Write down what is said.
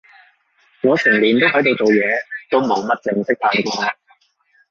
我成年都喺度做嘢，都冇乜正式嘆過